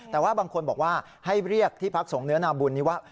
แต่ว่าบางคนบอกว่าให้เรียกที่พักสงเนื้อนาบุญนี้ว่า